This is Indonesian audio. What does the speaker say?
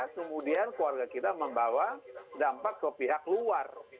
kemudian keluarga kita membawa dampak ke pihak luar